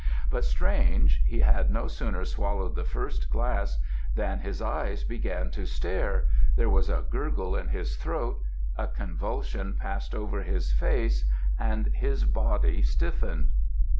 But strange! He had no sooner swallowed the first glass, than his eyes began to stare there was a gurgle in his throat a convulsion passed over his face and his body stiffened.